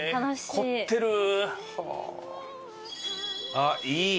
あっいい！